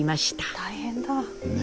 大変だ。ね。